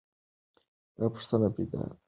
دا پوښتنه پیدا ده چې ولې شاهانو غم ونه کړ.